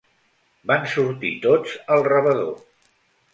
Van sortir tots al rebedor.